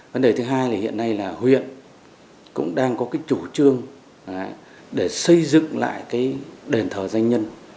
vấn đề thứ hai là hiện nay là huyện cũng đang có cái chủ trương để xây dựng lại cái đền thờ doanh nhân